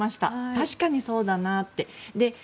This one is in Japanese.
確かにそうだなって。